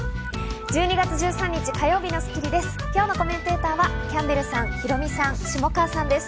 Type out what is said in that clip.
１２月１３日、火曜日の『スッキリ』です。